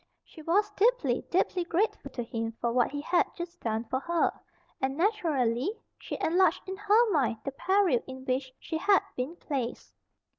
She was deeply, deeply grateful to him for what he had just done for her, and, naturally, she enlarged in her mind the peril in which she had been placed.